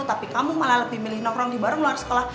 tapi kamu malah lebih milih nongkrong di barang luar sekolah